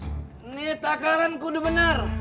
ini takaran ku udah benar